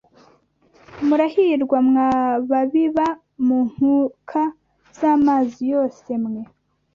Murahirwa, mwa babiba mu nkuka z’amazi yose mwe